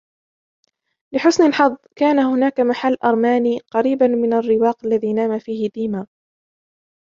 لحسن الحظ ، كان هناك محل " أرماني " قريبًا من الرواق الذي نام فيه ديما.